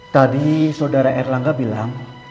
tadi saudara erlangga bilang